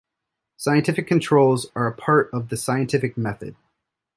Scientific controls are a part of the scientific method.